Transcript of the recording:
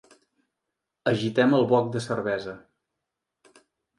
Agitem el boc de cervesa.